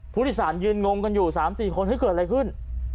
ผู้โดยสารยืนงมกันอยู่๓๔คนเกิดอะไรขึ้น